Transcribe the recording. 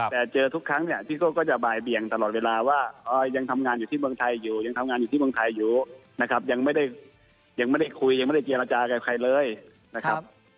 แต่เจอทุกครั้งเนี่ยพี่โก้ก็จะบ่ายเบียงตลอดเวลาว่ายังทำงานอยู่ที่เมืองไทยอยู่ยังทำงานอยู่ที่เมืองไทยอยู่นะครับยังไม่ได้ยังไม่ได้คุยยังไม่ได้เจรจากับใครเลยนะครับ